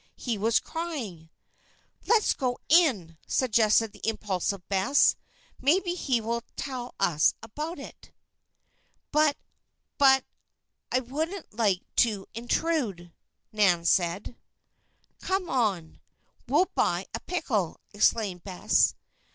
"He was crying." "Let's go in," suggested the impulsive Bess. "Maybe he will tell us about it." "But but I wouldn't like to intrude," Nan said. "Come on! We'll buy a pickle," exclaimed Bess.